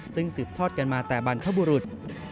ซึ่งสืบทอดกันมาแต่บรรพบุรุษ